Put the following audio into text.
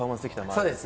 そうです。